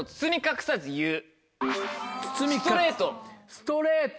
ストレート！